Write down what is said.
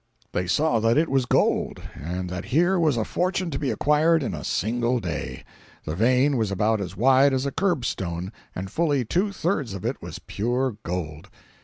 They saw that it was gold, and that here was a fortune to be acquired in a single day. The vein was about as wide as a curbstone, and fully two thirds of it was pure gold.